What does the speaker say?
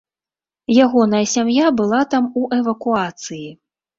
Ягоная сям'я была там у эвакуацыі.